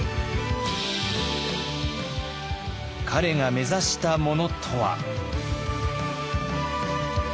彼が目指したものとは？